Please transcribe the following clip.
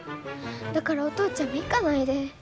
だからお父ちゃんも行かないで。